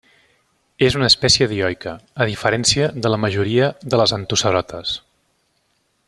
És una espècie dioica, a diferència de la majoria de les Antocerotes.